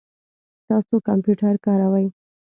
تاسو کمپیوټر کاروئ؟